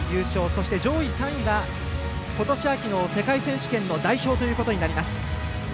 そして、上位３人がことし秋の世界選手権の代表ということになります。